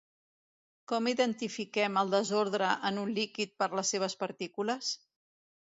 Com identifiquem el desordre en un líquid per les seves partícules?